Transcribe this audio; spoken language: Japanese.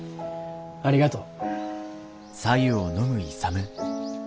ありがとう。